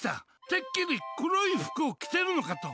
てっきり黒い服を着てるのかと。